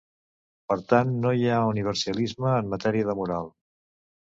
Per tant, no hi ha universalisme en matèria de moral.